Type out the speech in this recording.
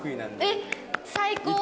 えっ最高！